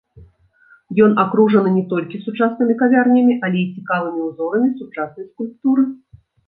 Ён акружаны не толькі сучаснымі кавярнямі, але і цікавымі ўзорамі сучаснай скульптуры.